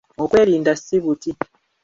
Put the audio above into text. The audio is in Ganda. Okwerinda si buti.